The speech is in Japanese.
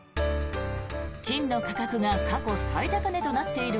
金の価格が過去最高値となっている